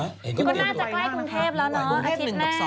แล้วก็น่าจะไปใกล้กรุงเทพฯและประถมหน้า